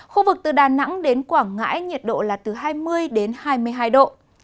khu vực từ đà nẵng đến quảng ngãi nhiệt độ là từ hai mươi đến hai mươi hai độ